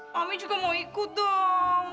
kami juga mau ikut dong